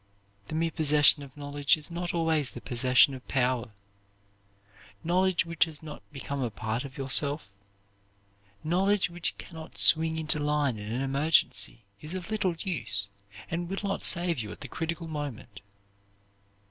The mere possession of knowledge is not always the possession of power; knowledge which has not become a part of yourself, knowledge which can not swing into line in an emergency is of little use, and will not save you at the critical moment.